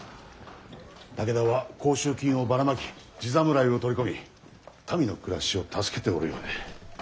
武田は甲州金をばらまき地侍を取り込み民の暮らしを助けておるようで。